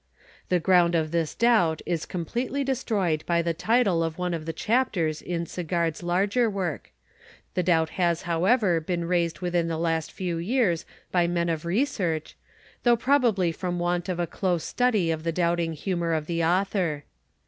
The ground of this doubt is completely destroyed by the title of one of the chapters in Sagard's larger work ; the doubt has, however, been raited within the last few years by men of research, though probably from want of a close study of the doubting humor of the author.